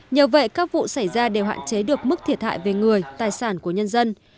nhờ vậy các vụ xảy ra đều hạn chế được mức thiệt hại về người tài sản của nhân dân